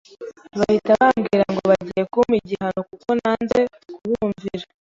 bahita bambwira ngo bagiye kumpa igihano kuko nanze kubumvira